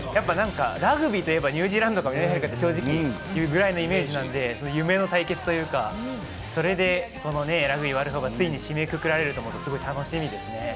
ラグビーといえば、ニュージーランドか南アフリカかというぐらいのイメージなので、夢の対決というか、それでラグビーワールドカップがついに締めくくられると思うと楽しみですね。